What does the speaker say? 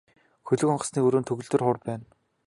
Хөлөг онгоцны өрөөнд төгөлдөр хуур байна.